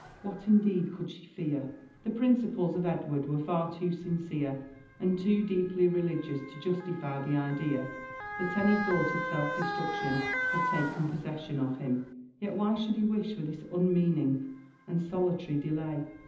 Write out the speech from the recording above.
What indeed could she fear? The principles of Edward were far too sincere and too deeply religious to justify the idea (hat any thought of self destruction had taken possession of him; Jdt why should he wish for this unmeaning and solitary delay?